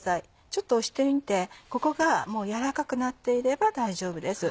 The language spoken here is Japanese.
ちょっと押してみてここがもう軟らかくなっていれば大丈夫です。